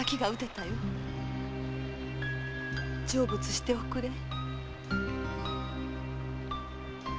成仏しておくれ。